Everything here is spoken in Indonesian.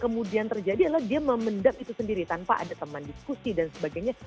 kemudian terjadi adalah dia memendam itu sendiri tanpa ada teman diskusi dan sebagainya